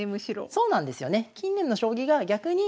そうなんですよね。